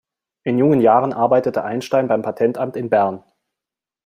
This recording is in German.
In jungen Jahren arbeitete Einstein beim Patentamt in Bern.